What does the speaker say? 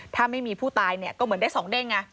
ถ้าไม่มีผู้ตายเนี่ยก็เหมือนได้๒เด้งไง